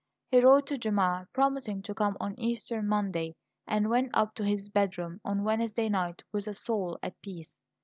He wrote to Gemma, promising to come on Easter Monday; and went up to his bedroom on Wednesday night with a soul at peace.